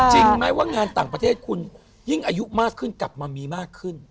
จริงไหมว่างานต่างประเทศคุณยิ่งอายุมากขึ้นกลับมามีมากขึ้น